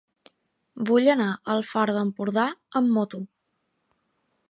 Vull anar al Far d'Empordà amb moto.